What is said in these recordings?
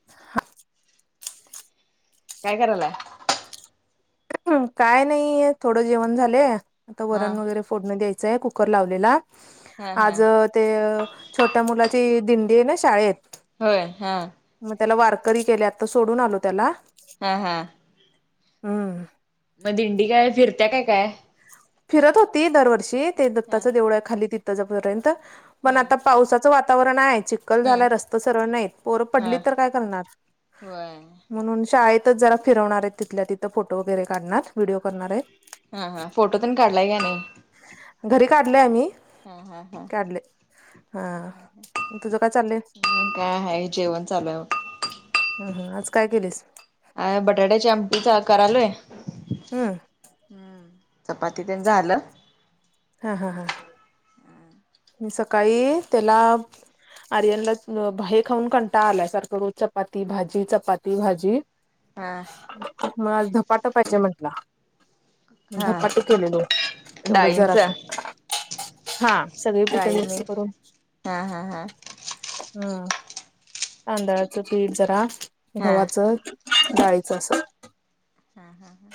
[inaudible] काय करालाय? ह् काय नाहीय थोडं जेवण झालंय आता हा वरण वगैरे फोडणं द्यायचंय कुकर लावलेला हा हा आज ते छोट्या मुलाची दिंडी आहे ना शाळेत होय हा मग त्याला वारकरी केले आता सोडून आलो त्याला. हा हा हम् मग दिंडी काय फिरत्या काय काय? फिरत होती दरवर्षी, ते हा दत्ताचं देऊळ हाय खाली तिथ पर्यंत पण हा आता पावसात च वातावरण आहेय चि कल हम्म झाला रस्ता सरळ नाहीत पोर हा पडली तर काय करणार होय म्हणून शाळेत तिथंच जरा फिरवणार आहेत, तिथल्या तिथं फोटो वगैरे काढणार व्हिडिओ करणार आहेत. हा, हा फोटो तेन काढलाय काय नाही? घरी काढलय आम्ही. हा, हा, हा. काढले हा तुझं काय चाललंय आणि काय हाय जेवण चालू हाय बघ. हम्म, हम आज काय केलीस? आं, बटाट्याच्या आमटी करालोय. हम्. चपाती तेन झालं. हा, हा, हा. मी सकाळी तेला आर्यनला भा, हे खाऊन कंटाळा आलाय, सारखं रोज चपाती भाजी, चपाती भाजी. हा. मग आज धपाट पाहिजे म्हंटला. हा धपाटे केलेलो, तेवढंच डाळींच जरास, हा सगळी पिठ डाळीम मिक्स करून. हा हा हा हा, तांदळाचं पीठ जरा, हा गव्हाचं डाळीचं अस. हा, हा, हा.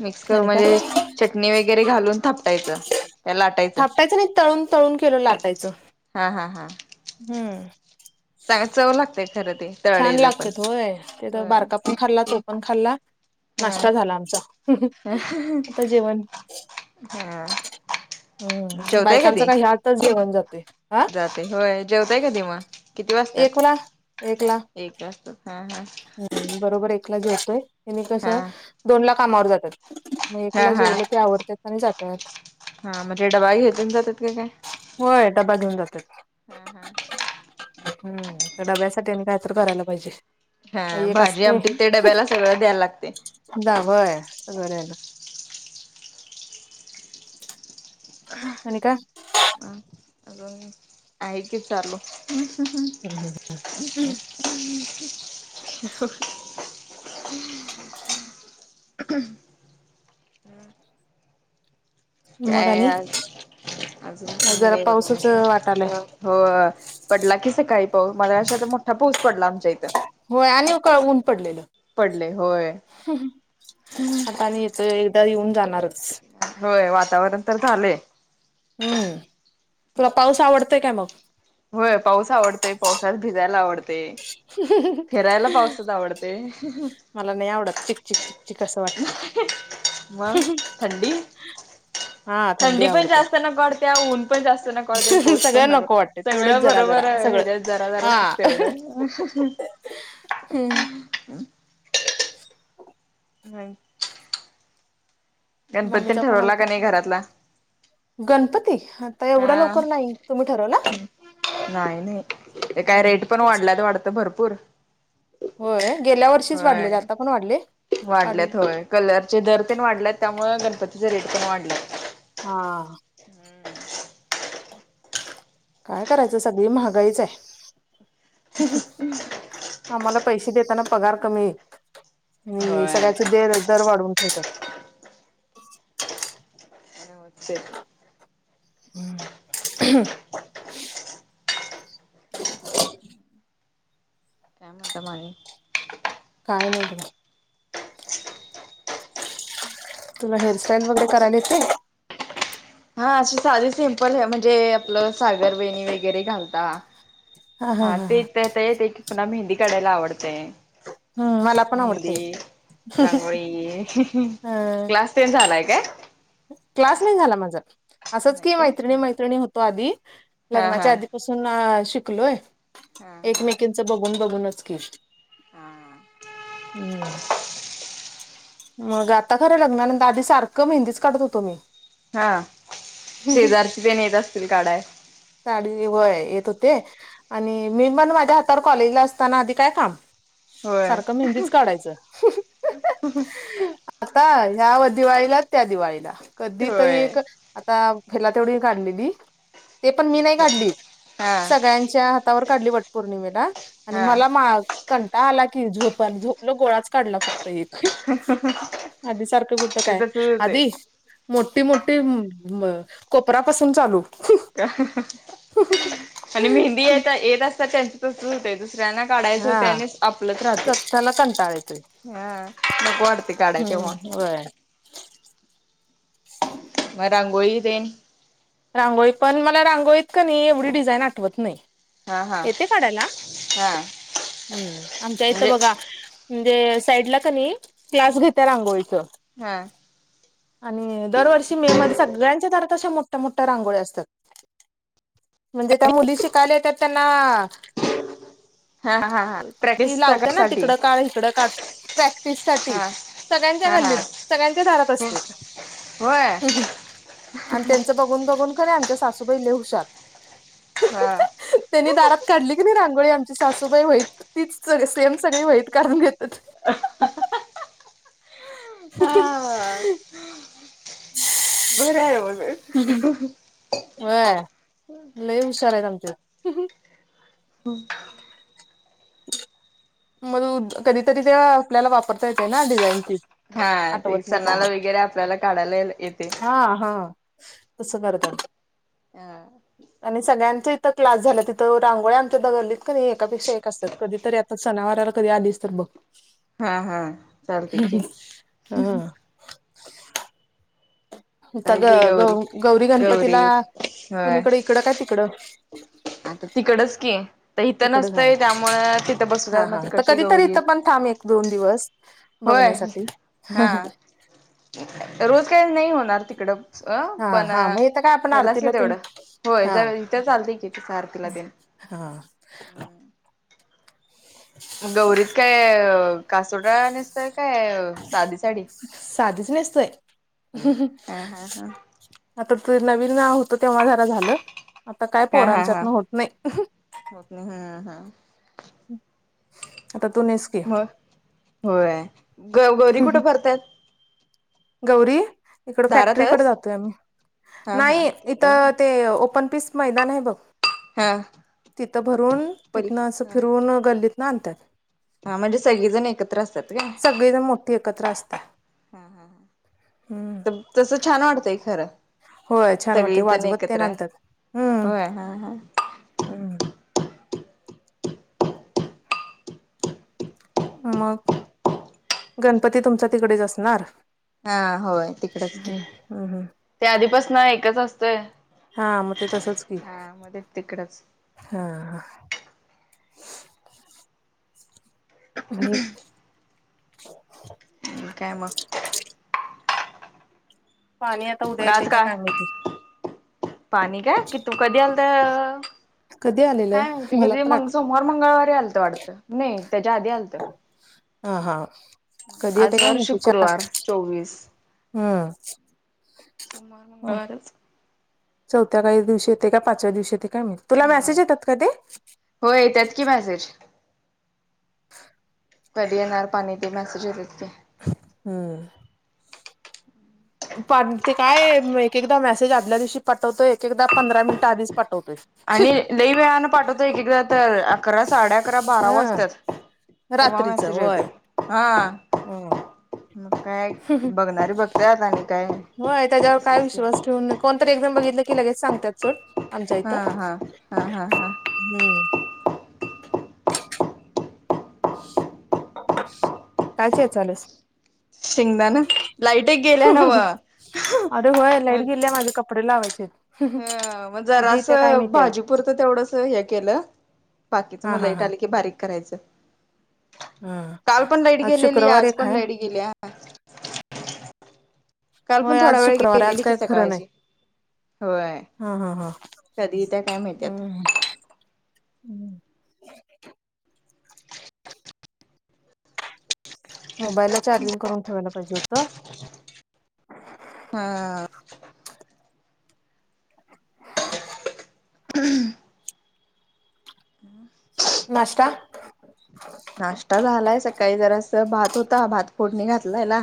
मिक्स आणि काय म्हणजे, चटणी वगैरे घालून थापटायचं, काय लाटायचं? लाटायचं नाही, तळून- तळून केलो लाटायचं. हा, हा, हा. हम्म. चांग, चव लागतय खरं ते. छान तळलेलं पण लागत्यात होय, ते तर होय बारका पण खाल्ला, तो पण खाल्ला. हा नाश्ता झाला आमचा, आता जेवण. हा हम्म, जेवताय बायकांच काही ह्यातच जेवण जातोय. आं व्हय, जेवताय कधी मग? किती एकला वाजत्यात? एक वाजतात हा, हा. ह्, बरोबर एकला जेवतोय, हेनी कस, हा दोनला कामावर जात्यात. मग हा एकला हा जेवलं ते आवरत्यात आणि जात्यात. हा मग ते डबा घेत्यात अन जात्यात कि काय? होय डबा घेऊन जात्यात. हा, हा. हम्म, त्या डब्यासाठी आणि कायतर करायला पाहिजे. हा, काही एक असते भाजी-आमटी ते डब्याला सगळं द्यायला लागतय? जा, व्हय, सगळ द्याय लागतय. आणि काय? आं. अजून, आहे की चालु. हम, हं. [unintelligible] [unintelligible] मग काय आणि आज - अजून काही जरा नाही पाऊसच वाटालाय बघा. हो, पडला की सकाळी पाऊस, मगाशी आता मोठा पाऊस पडला आमच्या इथं. होय, आणि उकळ ऊन पडलेल. पडले होय आता आणि येतोय, एकदा येऊन जाणारच. होय वातावरण तर झालंय. हम्म तुला पाऊस आवडतोय काय मग? होय पाऊस आवडतय पावसात भिजायला आवडतय. [unintelligible] फिरायला पावसात आवडतय. मला नाही आवडत चिक चिक चिकचिक असं वाटतया. मग थंडी हा थंडी पण आवडत्या जास्त नको वाटतेया ऊन ऊन पण जास्त नको वाटतय पाऊस पण सगळं नको वाटते सगळ तेवढंच जरा जरा बरोबर आहे सगळं ह्याच्यात जरा हा जरास तेवढं हम्म [inaudible] नाही. गणपती तेन मम्मीचा फोन ठरवला आलता का नाही घरातला? गणपती आता एवढ्या हा लवकर नाही तुम्ही ठरवला? नाही नाही ते हा काय रेट पण तेच की वाढल्यात वाटत भरपूर होय गेल्या वर्षीच वाढलेले होय आता पण वाढले वाढले. वाढल्यात होय कलरचे दर तेन वाढल्यात त्यामुळे गणपतीचे रेट पण वाढल्यात. हा. काय करायचं सगळी महागाईच आहे. [unintelligible] आम्हाला पैसे देताना पगार कमी होय सगळ्याच दर वाढवून ठेवतात. [unintelligible] [unintelligible] काय म्हणता मग आणि काय नाही बघा तुला हेअरस्टाईल वगैरे करायला येते? हा अशी साधी सिम्पल म्हणजे आपलं सागर वेणी वगैरे घालता हा तेच तर एकेकांना मेहंदी काढायला आवडतय. हम्म मला पण आवडते मेहंदी रांगोळी अ क्लास तेन झालाय काय? क्लास नाही झाला माझा असंच नाही की काय मैत्रिणी मैत्रिणी होतो आधी हा लग्नाच्या हा आधी पासून शिकलोय हा हा. एकमेकीचं बघून बघूनच केलो. हा होय. मग आता खरं लग्नानंतर आधी सारखं मेहंदीच काढत होतो मी हा शेजारची तेन येत असतील काढाया ताडी वय येत होते आणि मी पण माझ्या हातावर कॉलेजला असताना आधी काय काम होय. सारखं मेहंदीच काढायचं. [inaudible] आता ह्या दिवाळीला त्या दिवाळीला कधी तरी होय एक आता तेवढी काढलेली ते पण मी नाही काढली हा सगळ्यांच्या हातावर काढली वटपौर्णिमेला आणि हा मला मा कंटाळा आला की झोप झोपलो गोळाच काढला फक्त एक [inaudible] आधी सारखं कुट ते काय तसच होतय. आधी मोठी मोठी अ कोपरापासून चालू आणि मेहंदी ये-येत असत्या त्यां त होते दुसऱ्यांना काढायच होते हा आणि आपलंच राहतय स्वतःला कंटाळा येतोय हा नको वाटतय काढाय तेव्हा व्हय म रांगोळी तेन रांगोळी पण मला रांगोळीत कनी एवढी डिझाईन आठवत नाही. हा हा येते काढायला हा हम्म आमच्या इथं म्हणजे बघा म्हणजे साईडला कणी क्लास घेत्या रांगोळीचं. हा आणि दरवर्षी मे मध्ये सगळ्यांच्या दारात अशा मोठ्या मोठ्या रांगोळ्या असतात. म्हणजे त्या मुली शिकायला येत्यात त्यांना हा हा हा ती प्रॅक्टिस लावते ना साठी तिकडं काढ इकडं काढ प्रॅक्टिस साठी. हा सगळ्यांच्या हा हा गल्लीत सगळ्यांच्या दारात असते होय आणि त्यांच बघून बघून कने आमच्या सासूबाई लय हुशार हा त्यांनी दारात काढली की नाही रांगोळी आमची सासूबाई होईत तीच सग सेम सगळी माहीत काढून घेतात. हा [unintelligible] बरं आहे बग व्हय लई हुशार आहेत आमचे. हम् मग कधीतरी ते आपल्याला वापरता येतय ना डिझाईन ती हा ते आठवत नाही तेव्हा सणाला वगैरे आपल्याला काढायला येतय. हा हा तसं करत्यात. हा आणि सगळ्यांच इथं क्लास झाल्यात तिथं रांगोळी आमच्या हीत गल्लीत का नाही एकापेक्षा एक असत्यात. कधीतरी आता सणावराला कधी आलीस तर बघ. हा हा चालतय की. ह आता आहे ग की ग गौरी गौरी गणपतीला व्हय कुणीकडे इकडं काय तिकडं आता तिकडच की, आता इथं तिकडं झाला नसतंय त्यामुळ तिथं हा बसवतात मग हा तर तिकडची कधीतरी गौरी इथं पण थांब एक दोन दिवस होय बघण्यासाठी हा रोज काही नाही होणार तिकडं अ हा पण हा मग इथं काय आपण ह्यालाच की आरतीला तेन तेवढं. होय हा जवया इथं चालतेय कि तिथं आरतीला तेन हा ह [inaudible] गौरीत काय कासोटा नेसताय काय साधी साडी साधीच नसतोय. हा हा हा आता ते नवीन होत तेव्हा जरा झालं आता काय हा हा हा पोरांच्यातन होत नाही. होत नाही हा हा आता तू नेस की मग होय ग गौरी कुठे भरत्यात? गौरी इकड फॅक्टरीकडे दारातच जातोय आम्ही, हा हा नाही तिकडं इथं होय ते ओपन पीस मैदान आहे बघ हा तिथं भरून पली तिथनं असं हा फिरून गल्लीत आणतात हा म्हणजे सगळीजण एकत्र असत्यात काय? सगळेजण मोठी एकत्र असते हम्म तसं छान वाटतंय खरं. होय छान वाटतंय सगळीजण वाजवत तेन एकत्र आणत्यात हम्म होय हा हा हम्म. मग गणपती तुमच्या तिकडेच असणार हा होय तिकडंच की हम्म हम्म हम्म ते आधीपासनं एकच असतोय हा मग ते तसंच की हा मग ते तिकडच हा हा आणि काय मग? पाण्यात मग आज काय पाणी काय की तू कधी आल आलतं कधी आलेलं काय माहिती मला कधी पण मंग आठ सोम सोमवार मंगळवारी आलतं वाटतं नाही त्याच्या आधी आलतं. हा हा कधी येतोय आज काय वार माहीती चार शुक्रवार चोवीस हम्म सोमवार मंगळवारच, चौथ्या काय दिवशी येतंय काय पाचव्या दिवशी येतंय काय माहीत तुला मेसेज होय. येतात का ते? होय येत्यात की मॅसेज कधी येणार पाणी ते मॅसेज येत्यात की. हम् पाणी ते काय एक एकदा मेसेज आदल्या दिवशीच पाठवतोय एक एकदा पंधरा मिनिटं आधीच पाठवतोय आणि लैई वेळानं पाठवतोय एक एकदा तर अकरा साडे अकरा बारा हा वाजत्यात. तेव्हा रात्रीच मॅसेज होय येतोय हा हम्म. मग काय बघणारी बघत्यात आणि काय तसंच की कोणतर एक जण बघितलं की लगेच सांगत्यात सोड आमच्या हा इथं हा हा हा हा हम्म काय चेचाल्यास. शेंगदाण लाईटही गेल्या नव अरे व्हय लाईट गेल्या माझी कपडे लावायची आहेत हम्म मग कधी येत्या काय जरासं माहिती आज. भाजीपुरतं तेवढंस हे केलं. बाकीचं हा मग हा लाईट हा आली की बारीक करायचं. हा काल पण लाईट आज गेलेली आहे शुक्रवार आज एक पण हाय लाईट गेल्या काल पण होय आज थोडा वेळ शुक्रवार आय आज गेलेली की काय खरं नाही. सकाळची होय हा हा हा कधी त्या काय माहिती आता हम् हम् मोबाईलला चार्जिंग करून ठेवायला पाहिजे होतं हा हम नाष्टा नाष्टा झालाय सकाळी जरासं भात होता, भात फोडणी घातलेला.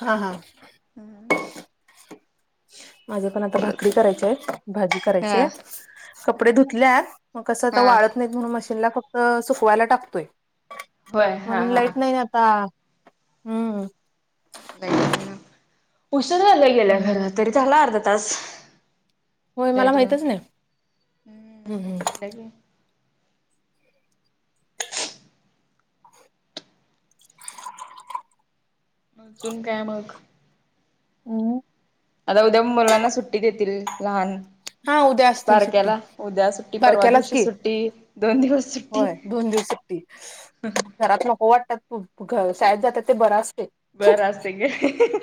हा हा हम्म माझ्या पण आता भाकरी करायच्या आहेत भाजी करायची हा आहेत कपडे धुतल्यात मग कसं आता हा वाळत नाहीत. म्हणून मशीनला फक्त सुकवायला टाकतोय होय हा पण लाईट नाही आता हम्म उशर झाला गेल्या हम्म. खरं तरी झाला अर्धा तास होय मला लाईट जाऊन माहितच नाही हम्म गेल्या की [unintelligible] अजून काय मग उम्म आता उद्या मुलांना सुट्टी देतील लहान हा उद्या असतील सुट्टी बारक्याला उद्या सुट्टी परवा बारक्यालाच दिवशी की सुट्टी दोन दिवस सुट्टी होय दोन दिवस सुट्टी घरात नको वाटत्यात शाळेत जात्यात ते बरं असतंय बरं असतंय काय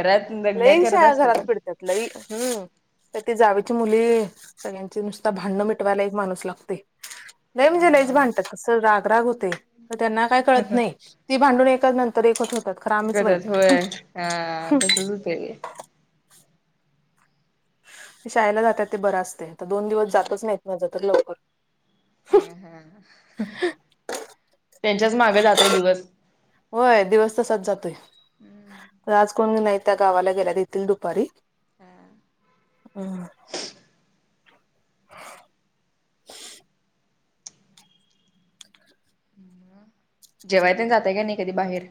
घरात दंगा लई करत शा असतात. घरात पीडतात लई हम्म तर ती जावेची मुली सगळ्यांची नुसता भांडण मिटवायला एक माणूस लागतोय लई हा म्हणजे लईच हा भांडतात आसं रागराग होतय तर त्यांना काय कळत नाही ती भांडून एका नंतर एकच होतात खरं आम्हीच वाईट गरज होय हा तसच होतं ते शाळेला जातात ते बर असतय तर दोन दिवस जातच नाहीत माझं तर लवकर त्यांच्याच मागं जातोय दिवस होय दिवस तसाच जातोय खरं आज कोण नाहीत त्या गावाला गेल्यात‌ येतील दुपारी हम जेवय ते जातय का नाही कधी बाहेर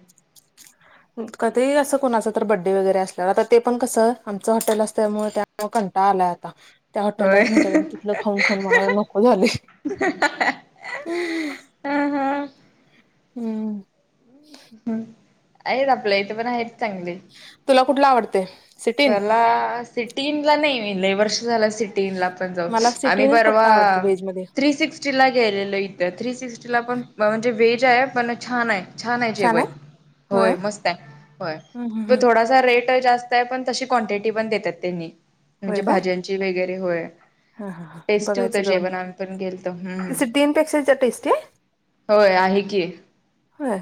कधी अस कुणाच तर बड्डे वगैरे असल्यावर ते पण कसं आमच हॉटेल असते त्यामुळे कंटाळा आलाय आता त्या होय हॉटेललाच तिथ खाऊ खाऊ मला हा हा हम्म आहेत आपल्या इथे पण आहेत चांगले तुला कुठला आवडते मला सिटीन ला नाही लई वर्ष झालं सिटी सिटीइन ला जाऊन मला आम्ही सिटीनच परवा फक्त आवडते व्हेज मध्ये थ्री सिक्सटी सिकस्टी ला गेलेलं इथं थ्री सिक्स्टीला पण म्हणजे वेज आहे पण छान आहे छान आहे जेवण होय मस्त आहे होय हम्म हम्म तर हम्म थोडासा रेट जास्त पण तशी क्वांटिटी पण देतात त्यांनी म्हणजे होय काय भाज्यांची वगैरे होय हा हा हा टेस्टी होत बघायचं जाऊन जेवणा आमी पण गेलतो ते सिटीनपेक्षा टेस्टी आहे होय आहे की होय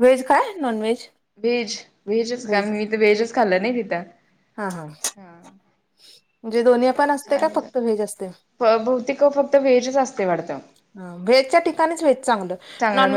व्हेज काय नॉन व्हेज व्हेज व्हेजच का व्हेज मी तर व्हेजच खाल्लं नाही हा हा तिथं ह म्हणजे दोन्ही पण असते का फक्त व्हेज असते? छान भौतिक फक्त वेजच असते वाढतं तिथ व्हेजच्या ठिकाणीच व्हेज चांगलं चांगलं नॉनव्हेज